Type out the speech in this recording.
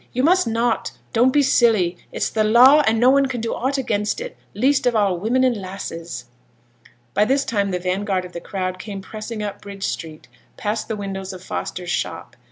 you must not. Don't be silly; it's the law, and no one can do aught against it, least of all women and lasses. By this time the vanguard of the crowd came pressing up Bridge Street, past the windows of Foster's shop.